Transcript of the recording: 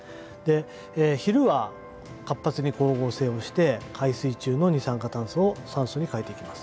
昼は活発に光合成をして海水中の二酸化炭素を酸素に変えていきます。